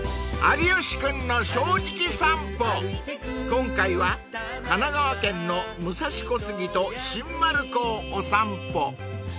［今回は神奈川県の武蔵小杉と新丸子をお散歩］